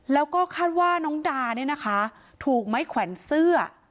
แล้วก็คาดว่าน้องดาเนี่ยนะคะถูกไม้แขวนเสื้อ